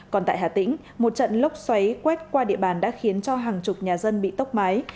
còn tại hà tĩnh một trận lốc xoáy quét qua địa bàn đã khiến cho hàng chục nhà dân bị tốc mái